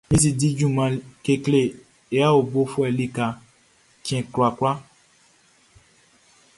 Min si di junman kekle e awlobofuɛʼm be lika cɛn kwlakwla.